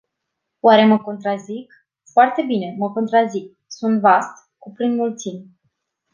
Oare mă contrazic? Foarte bine, mă contrazic. Sunt vast, cuprind mulțimi.